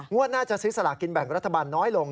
น่าจะซื้อสลากินแบ่งรัฐบาลน้อยลง